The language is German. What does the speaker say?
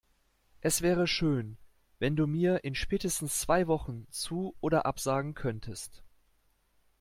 Es wäre schön, wenn du mir in spätestens zwei Wochen zu- oder absagen könntest.